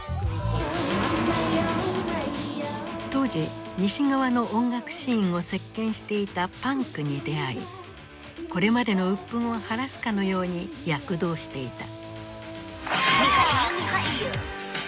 当時西側の音楽シーンを席巻していたパンクに出会いこれまでの鬱憤を晴らすかのように躍動していた。